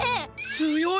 強い。